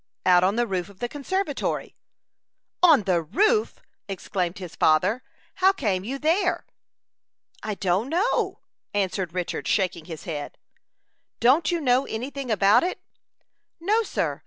"Out on the roof of the conservatory." "On the roof!" exclaimed his father. "How came you there?" "I don't know," answered Richard, shaking his head. "Don't you know any thing about it?" "No, sir.